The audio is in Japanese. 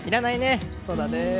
そうだね。